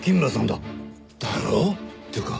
だろ？っていうか